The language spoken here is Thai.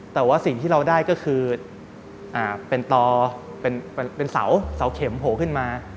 แต่ว่าสิ่งที่เราได้ก็คือเป็นต่อเป็นเสาเข็มโผล่ขึ้นมา